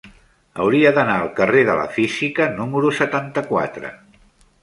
Hauria d'anar al carrer de la Física número setanta-quatre.